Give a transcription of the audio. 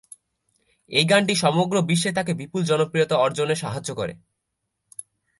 এই গানটি সমগ্র বিশ্বে তাকে বিপুল জনপ্রিয়তা অর্জনে সাহায্য করে।